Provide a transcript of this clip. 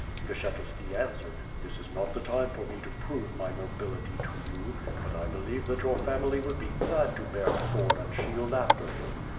Skshetuski answered: "This is not the time for me to prove my nobility to you, but I believe that your family would be glad to bear sword and shield after me.